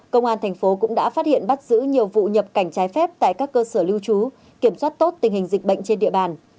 công an thành phố cũng đã phát hiện bắt giữ nhiều vụ nhập cảnh trái phép tại các cơ sở lưu trú kiểm soát tốt tình hình dịch bệnh trên địa bàn